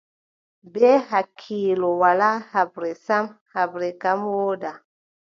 Bee hakkiilo, walaa haɓre sam, haɓre kam wooda.